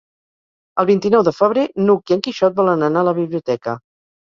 El vint-i-nou de febrer n'Hug i en Quixot volen anar a la biblioteca.